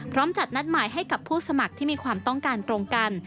จัดนัดหมายให้กับผู้สมัครที่มีความต้องการตรงกัน